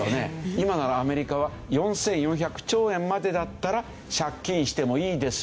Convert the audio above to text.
今ならアメリカは４４００兆円までだったら借金してもいいですよという。